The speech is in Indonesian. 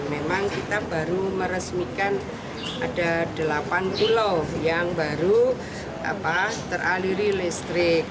memang kita baru meresmikan ada delapan pulau yang baru teraliri listrik